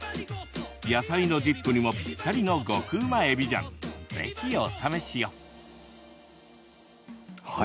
野菜のディップにもぴったりのごくうまえび醤、ぜひお試しを。